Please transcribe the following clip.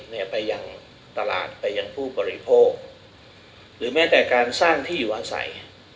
จากตลาดไปยังผู้ปริโภคหรือแม้แต่การสร้างที่อยู่อาศัย